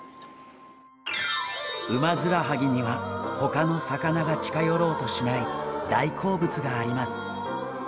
ウマヅラハギには他の魚が近寄ろうとしない大好物があります。